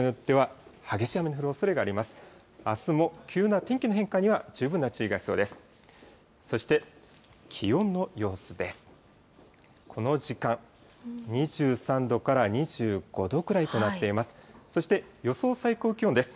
この時間、２３度から２５度くらいとなっています。